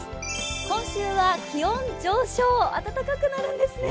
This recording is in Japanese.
今週は気温上昇暖かくなるんですね。